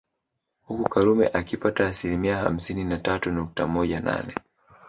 Huku Karume akipata asilimia hamsini na tatu nukta moja nane